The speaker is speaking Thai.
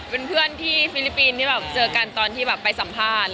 เป็นเพื่อนที่ฟิลิปปินส์ที่แบบเจอกันตอนที่แบบไปสัมภาษณ์